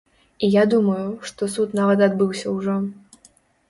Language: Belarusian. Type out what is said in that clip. І я думаю, што суд нават адбыўся ўжо.